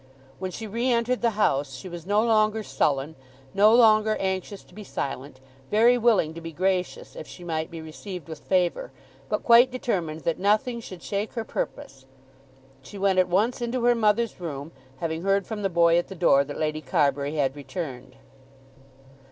When she re entered the house she was no longer sullen, no longer anxious to be silent, very willing to be gracious if she might be received with favour, but quite determined that nothing should shake her purpose. She went at once into her mother's room, having heard from the boy at the door that Lady Carbury had returned.